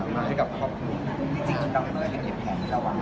มาให้กับครอบครัว